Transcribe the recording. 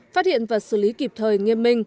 phát hiện và xử lý kịp thời nghiêm minh